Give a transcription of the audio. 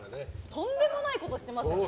とんでもないことしてますよね